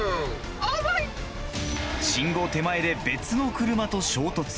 信号手前で別の車と衝突。